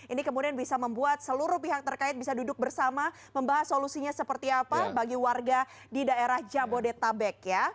ini kemudian bisa membuat seluruh pihak terkait bisa duduk bersama membahas solusinya seperti apa bagi warga di daerah jabodetabek ya